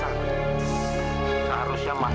sampai ke tempat muamang